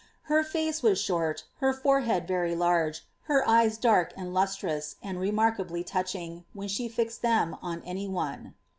Her face was shi>n, hef fun bead very Urge, her eyes dark and luatrous, and remarkably tnuchiiie* when she lixeil them un any one."